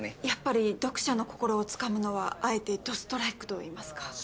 やっぱり読者の心をつかむのはあえてドストライクといいますか。